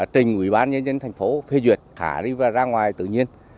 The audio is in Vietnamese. trình ủy ban nhân dân thành phố phê duyệt thả đi và ra ngoài tự nhiên